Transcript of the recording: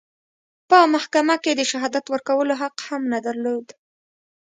په محکمه کې د شهادت ورکولو حق هم نه درلود.